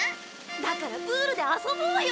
だからプールで遊ぼうよ！